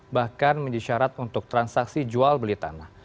bahkan mendisarat untuk transaksi jual beli tanah